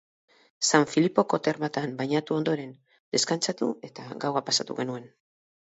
San Filippo-ko termatan bainatu ondoren deskantsatu eta gaua pasatu genuen.